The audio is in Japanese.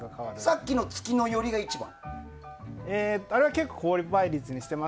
さっきの月の寄りが一番？